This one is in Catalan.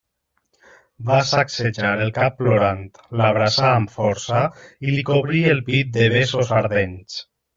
Va sacsejar el cap plorant, l'abraçà amb força i li cobrí el pit de besos ardents.